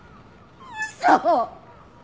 嘘！